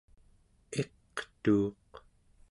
iqtuuq